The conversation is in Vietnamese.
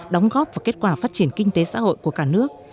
đóng góp vào kết quả phát triển kinh tế xã hội của cả nước